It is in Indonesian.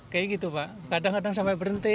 kayak gitu pak kadang kadang sampai berhenti